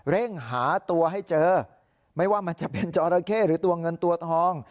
เร่งหาตัวให้เจอไม่ว่ามันจะเป็นจอราเข้หรือตัวเงินตัวทอง